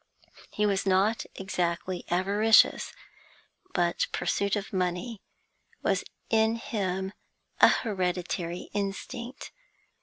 He was not exactly avaricious, but pursuit of money was in him an hereditary instinct.